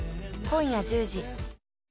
今夜１０時。